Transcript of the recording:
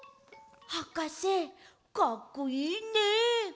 はかせかっこいいね！